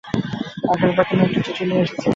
আগের বার তুমি একটি চিঠি নিয়ে এসেছিলে।